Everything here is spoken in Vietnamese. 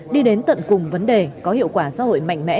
đi đến tận cùng vấn đề có hiệu quả xã hội mạnh mẽ